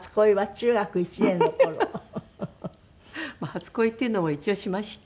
初恋っていうのも一応しました。